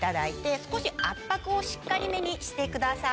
少し圧迫をしっかりめにしてください。